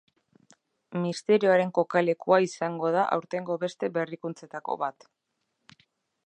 Misterioaren kokalekua izango da aurtengo beste berrikuntzetako bat.